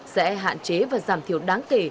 sẽ hạn chế và giảm thiểu đáng kể